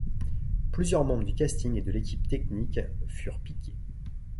Plusieurs membres du casting et de l’équipe technique furent piqués.